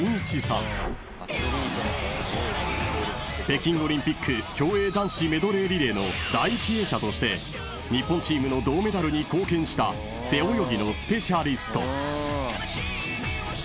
［北京オリンピック競泳男子メドレーリレーの第一泳者として日本チームの銅メダルに貢献した背泳ぎのスペシャリスト］